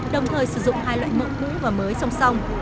đồng thời sử dụng hai loại mẫu cũ và mới song song